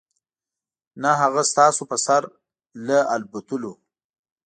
نه هغه ستاسو په سر له الوتلو .